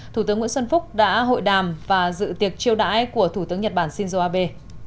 thủ tướng nguyễn xuân phúc đã hội đàm và dự tiệc chiêu đãi của thủ tướng nhật bản shinzo abe